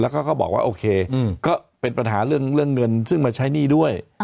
แล้วก็บอกว่าโอเคก็เป็นปัญหาเรื่องเงินซึ่งมาใช้หนี้ด้วย